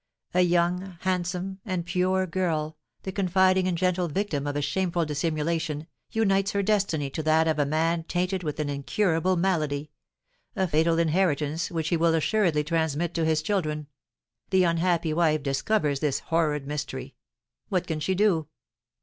A young, handsome, and pure girl, the confiding and gentle victim of a shameful dissimulation, unites her destiny to that of a man tainted with an incurable malady, a fatal inheritance which he will assuredly transmit to his children. The unhappy wife discovers this horrid mystery. What can she do?